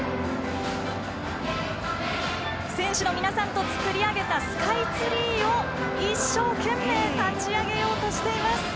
選手の皆さんと作り上げたスカイツリーを一生懸命立ち上げようとしています。